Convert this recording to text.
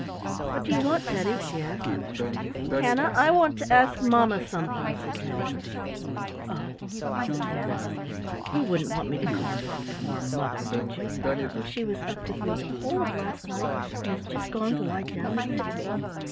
"What do you want, Teddy?" she asked. "Hannah, I want to ask mamma something," said Teddy. "Oh," said Hannah, "you wouldn't want me to call your poor mother, would you, when she was up with you the whole of last night and has just gone to lie down a bit?"